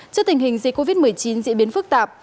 trước tình hình dịch covid một mươi chín diễn biến phức tạp